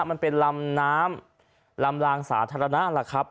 มันเป็นลำน้ำลำลางสาธารณะล่ะครับ